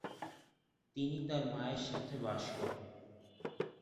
তিনি তার মায়ের সাথে বাস করেন।